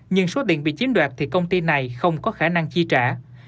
nhưng số tiền bị chiếm đoạt thì công ty này không có khả năng chi trả